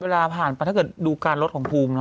เวลาผ่านไปถ้าเกิดดูการลดของภูมิ